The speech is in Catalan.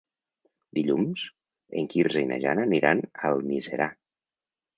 Dilluns en Quirze i na Jana aniran a Almiserà.